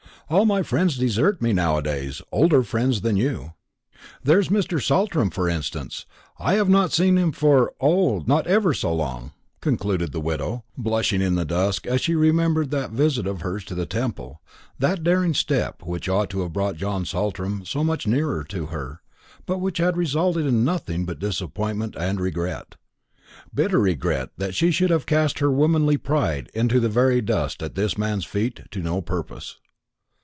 All my friends desert me now a days older friends than you. There is Mr. Saltram, for instance. I have not seen him for O, not for ever so long," concluded the widow, blushing in the dusk as she remembered that visit of hers to the Temple that daring step which ought to have brought John Saltram so much nearer to her, but which had resulted in nothing but disappointment and regret bitter regret that she should have cast her womanly pride into the very dust at this man's feet to no purpose.